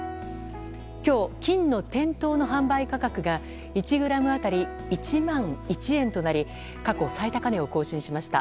今日、金の店頭の販売価格が１ｇ当たり１万１円となり過去最高値を更新しました。